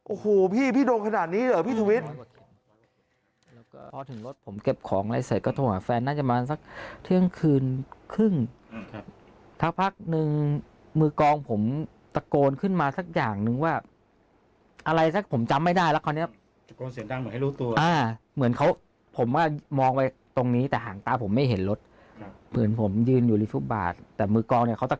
โอ้โหพี่พี่โดนขนาดนี้เหรอพี่ชุวิต